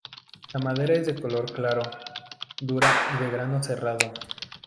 La madera es de color claro, dura y de grano cerrado.